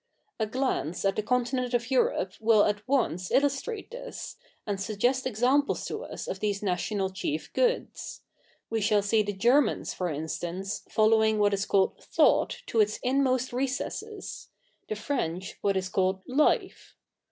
A glance at the continent of cii. i] THE NEW REPUBLIC 115 Europe will at once illnstfafe l/u's, and suggest examples to us of these national chief goods. We shall see the Germans^ for i/istance, follo2ving luhat is called Thought to its in?nost recesses^ the French ivhat is called Life.